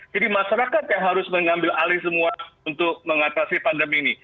jadi masyarakat yang harus mengambil alih semua untuk mengatasi pandemi ini